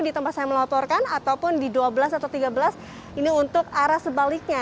di tempat saya melaporkan ataupun di dua belas atau tiga belas ini untuk arah sebaliknya